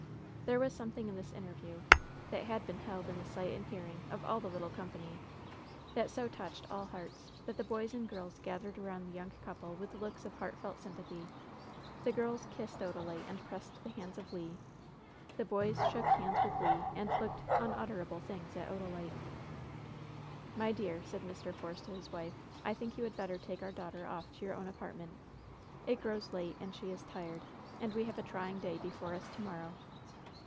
'* There was something in this interview — that had been held in the sight and hearing of all the little company — that so touched all hearts that the boys and girls gath ered around the young couple with looks of heartfelt sympathy. The girls kissed Odalite and pressed the hands of Le. The boys shook hands with Le, and looked "unutterable things^* at Odalite. "My dear," said Mr. Force to his wife, "I think you had better take our daughter off to your own apartment. It grows late, and she is tired. And we have a trying day before us to morrow."